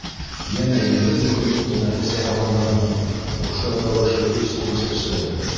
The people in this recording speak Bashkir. Йәнә егерме көнлөк тәнәфес яһағандан һуң ошо рәүешле өс курс эшләгеҙ.